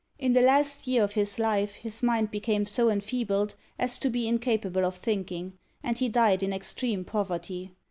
In the last year of his life his mind became so enfeebled as to be incapable of thinking, and he died in extreme poverty.